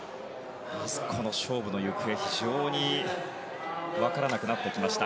この勝負の行方、非常に分からなくなってきました。